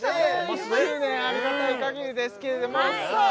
１周年ありがたいかぎりですけれどもさあ